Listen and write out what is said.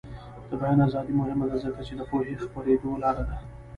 د بیان ازادي مهمه ده ځکه چې د پوهې خپریدو لاره ده.